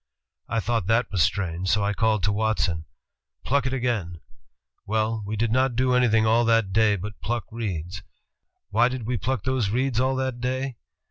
I thought that was strange, so I called to Watson, 'Pluck it again. '... Well, we did not do anything all that day but pluck reeds. ... Why did we pluck those reeds all that day?